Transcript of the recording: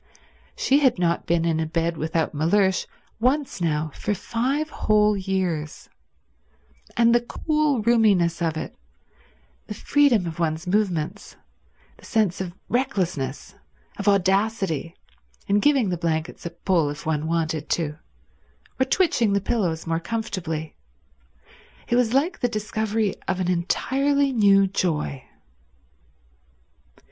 She had not been in a bed without Mellersh once now for five whole years; and the cool roominess of it, the freedom of one's movements, the sense of recklessness, of audacity, in giving the blankets a pull if one wanted to, or twitching the pillows more comfortably! It was like the discovery of an entirely new joy.